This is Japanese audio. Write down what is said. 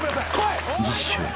［次週］